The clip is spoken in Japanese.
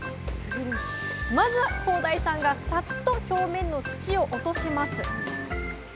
まずは耕大さんがさっと表面の土を落とします。